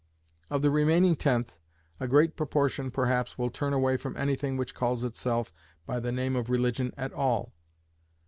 Of the remaining tenth, a great proportion, perhaps, will turn away from anything which calls itself by the name of religion at all.